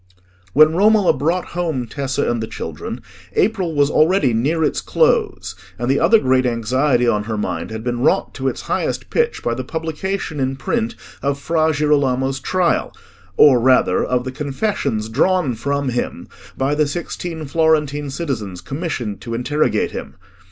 When Romola brought home Tessa and the children, April was already near its close, and the other great anxiety on her mind had been wrought to its highest pitch by the publication in print of Fra Girolamo's Trial, or rather of the confessions drawn from him by the sixteen Florentine citizens commissioned to interrogate him.